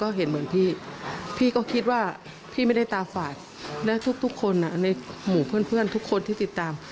ก็เรียกร้องให้ตำรวจดำเนอคดีให้ถึงที่สุดนะ